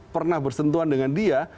pernah bersentuhan dengan dia